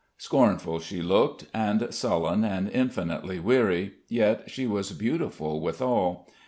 Scornful she looked, and sullen and infinitely weary, yet she was beautiful withal.